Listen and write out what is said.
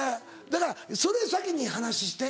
だからそれ先に話して。